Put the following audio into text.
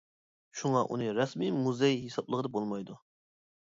شۇڭا ئۇنى رەسمىي مۇزېي ھېسابلىغىلى بولمايدۇ.